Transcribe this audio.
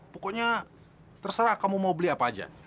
pokoknya terserah kamu mau beli apa aja